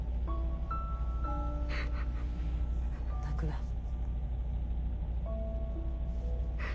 泣くな。